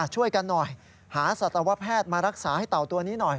ช่วยกันหน่อยหาสัตวแพทย์มารักษาให้เต่าตัวนี้หน่อย